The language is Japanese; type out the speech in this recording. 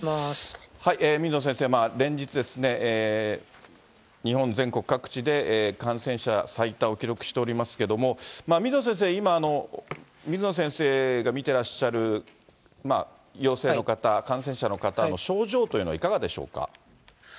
水野先生、連日ですね、日本全国各地で感染者最多を記録しておりますけれども、水野先生、今、水野先生が診てらっしゃる陽性の方、感染者の方の症状というのはいかがでしょうか。